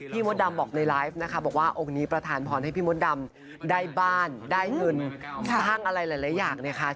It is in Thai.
มดดำบอกในไลฟ์นะคะบอกว่าองค์นี้ประธานพรให้พี่มดดำได้บ้านได้เงินสร้างอะไรหลายอย่างนะคะ